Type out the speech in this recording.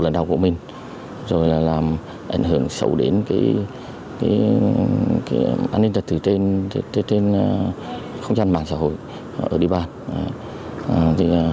lần đầu của mình rồi làm ảnh hưởng xấu đến an ninh thật tử tên không gian mạng xã hội ở địa bàn